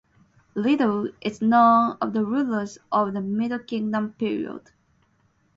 Little is known of the rulers of the Middle Kingdom period.